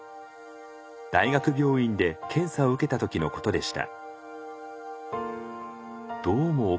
大学病院で検査を受けた時のことでした。